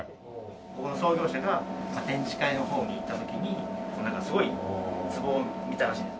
ここの創業者が展示会の方に行った時にすごい壺を見たらしいんです。